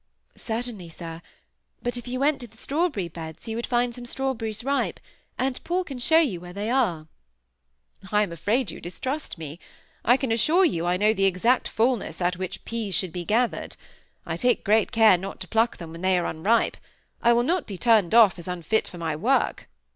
"Certainly, sir. But if you went to the strawberry beds you would find some strawberries ripe, and Paul can show you where they are." "I am afraid you distrust me. I can assure you I know the exact fulness at which peas should be gathered. I take great care not to pluck them when they are unripe. I will not be turned off, as unfit for my work."